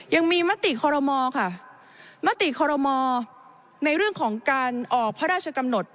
ยังมีมติคอรมอค่ะมติคอรมอในเรื่องของการออกพระราชกำหนด